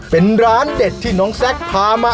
เป็นร้านเด็ดที่น้องแซคพามา